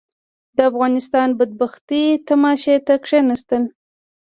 د افغانستان بدبختي تماشې ته کښېناستل.